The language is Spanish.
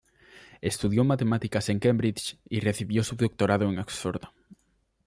Estudió matemáticas en Cambridge y recibió su doctorado en Oxford.